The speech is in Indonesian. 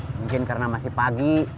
mungkin karena masih pagi